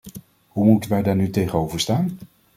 Hoe moeten wij daar nu tegenover staan?